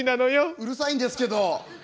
うるさいんですけど！